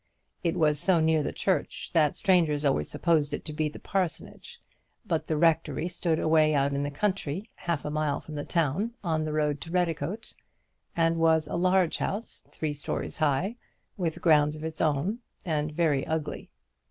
It was so near the church that strangers always supposed it to be the parsonage; but the rectory stood away out in the country, half a mile from the town, on the road to Redicote, and was a large house, three stories high, with grounds of its own, and very ugly.